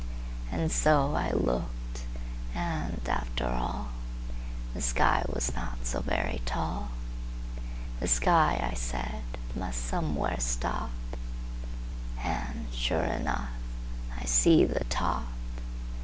And so I looked, and, after all, The sky was not so very tall. The sky, I said, must somewhere stop, And—sure enough!—I see the top!